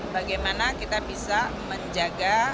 bagaimana kita bisa menjaga